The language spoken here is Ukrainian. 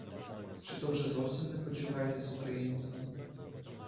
Чи то вже зовсім не почуваєтесь українцем?